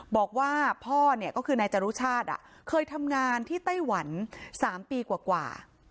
บอกว่าพ่อเนี่ยก็คือนายจรุชาติเคยทำงานที่ไต้หวัน๓ปีกว่า